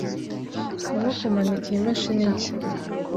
Ndimo kumanika iyi mashini nshya.